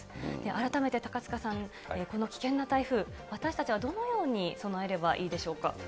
改めて高塚さん、この危険な台風、私たちはどのように備えればいいでしょうか。